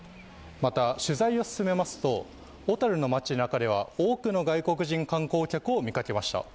また取材を進めますと小樽の街なかでは多くの外国人観光客を見かけました。